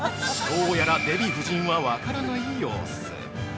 ◆どうやらデヴィ夫人は分からない様子。